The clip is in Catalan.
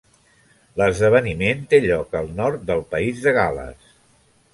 L'esdeveniment té lloc al nord del País de Gal·les.